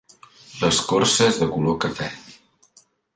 L'escorça és de color cafè.